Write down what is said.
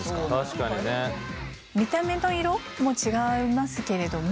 見た目の色もちがいますけれども。